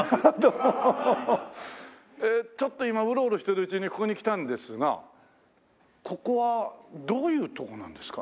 ちょっと今ウロウロしてるうちにここに来たんですがここはどういうとこなんですか？